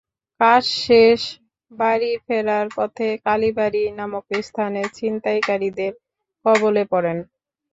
কাজ শেষে বাড়ি ফেরার পথে কালীবাড়ি নামক স্থানে ছিনতাইকারীদের কবলে পড়েন।